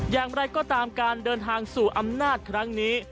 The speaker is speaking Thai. อย่างไรก็ตามการเดินทางสู่อำนาจครั้งนี้